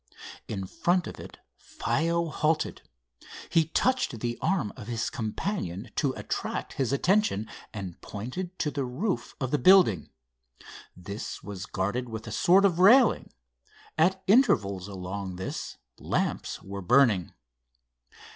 In front of it Faiow halted. He touched the arm of his companion to attract his attention, and pointed to the roof of the building. This was guarded with a sort of railing. At intervals along this lamps were burning.